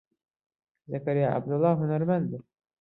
زەکەریا عەبدوڵڵا هونەرمەندە.